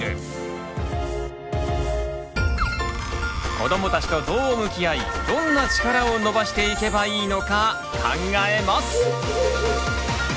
子どもたちとどう向き合いどんな力を伸ばしていけばいいのか考えます！